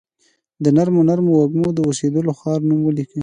د نرمو نرمو وږمو، د اوسیدولو د ښار نوم ولیکي